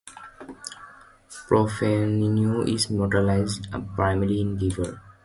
Propafenone is metabolized primarily in the liver.